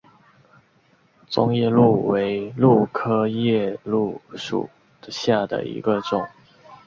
棕夜鹭为鹭科夜鹭属下的一个种。